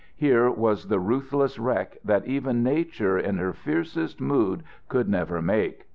Here was the ruthless wreck that even nature in her fiercest mood could never make.